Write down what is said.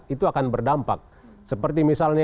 itu akan berdampak seperti misalnya